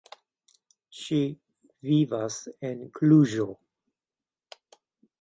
Ŝi vivas en Kluĵo.